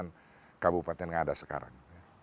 nah ini adalah kabupaten ngada sekarang